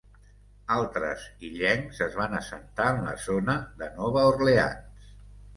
Altres illencs es van assentar en la zona de Nova Orleans.